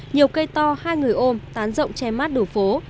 nhiều cây to hai người ôm tán rộng che mát đường phố